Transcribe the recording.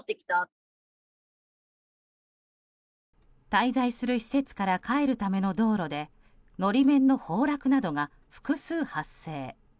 滞在する施設から帰るための道路で法面の崩落などが複数発生。